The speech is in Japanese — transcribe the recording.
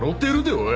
おい。